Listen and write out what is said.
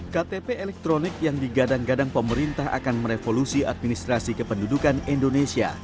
ktp elektronik yang digadang gadang pemerintah akan merevolusi administrasi kependudukan indonesia